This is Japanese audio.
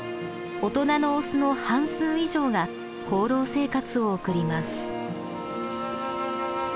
大人のオスの半数以上が放浪生活を送ります。